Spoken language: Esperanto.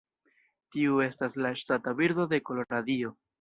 Tiu estas la ŝtata birdo de Koloradio.